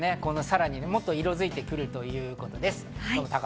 もっと色づいてくるということです。